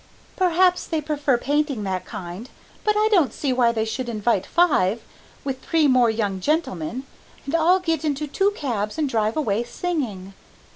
"Perhaps they prefer painting that kind, but I don't see why they should invite five, with three more young gentlemen, and all get into two cabs and drive away singing.